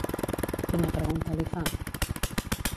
Quina pregunta li fa?